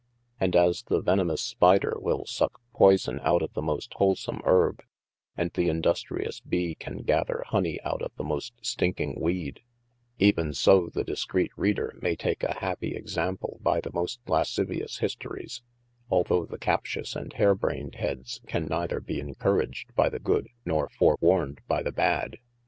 And as the venemous spider wil sucke poison out of the most holesome herbe, and the industrious Bee can gather hony out of the most stinking weede : Even so the discrete reader may take a happie exaple by the most lascivious histories, although the captious and harebrained heads can neither be encoraged by the good, nor forewarned by the bad.